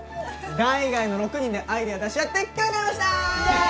弾以外の６人でアイデア出し合って考えました！